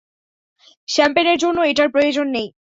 Champagne এর জন্য এটার প্রয়োজন নেই।